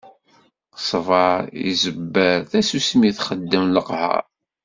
Ṣṣbeṛ iẓebber, tasusmi txeddem leqheṛ.